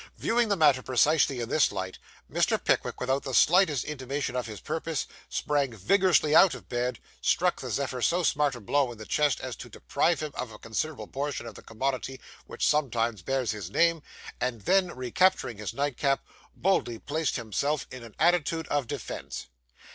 Viewing the matter precisely in this light, Mr. Pickwick, without the slightest intimation of his purpose, sprang vigorously out of bed, struck the Zephyr so smart a blow in the chest as to deprive him of a considerable portion of the commodity which sometimes bears his name, and then, recapturing his nightcap, boldly placed himself in an attitude of defence.